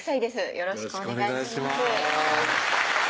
よろしくお願いします